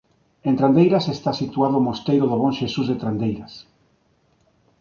En Trandeiras está situado o mosteiro do Bon Xesús de Trandeiras.